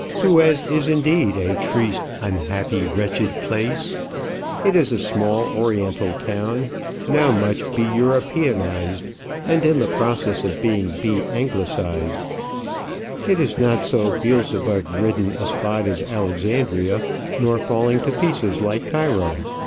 Suez is indeed a triste, unhappy, wretched place. It is a small oriental town, now much be Europeanized, and in the process of being be Anglicized. It is not so Beelzebub ridden a spot as Alexandria, nor falling to pieces like Cairo.